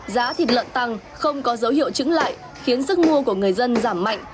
giá thịt lợn tăng không có dấu hiệu chứng lại khiến sức mua của người dân giảm mạnh